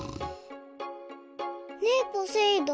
ねえポセイ丼。